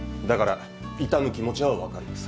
だから痛む気持ちはわかる。